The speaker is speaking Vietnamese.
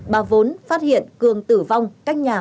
bà vốn phát hiện cường tử vong cách nhà